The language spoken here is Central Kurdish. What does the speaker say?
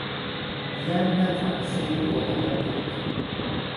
یان ناتوانێ سەیری گڵۆپەکە بکات